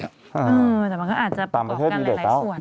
แต่มันก็อาจจะประกอบกันหลายส่วน